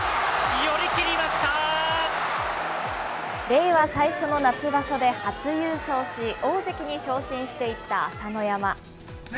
令和最初の夏場所で初優勝し、大関に昇進していた朝乃山。